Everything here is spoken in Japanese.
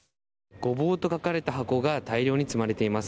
ごぼうと書かれた箱が大量に積まれています。